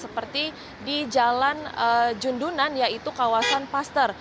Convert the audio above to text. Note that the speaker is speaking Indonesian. seperti di jalan jundunan yaitu kawasan paster